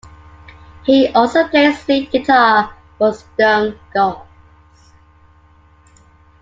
He also plays lead guitar for Stone Gods.